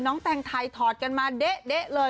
แตงไทยถอดกันมาเด๊ะเลย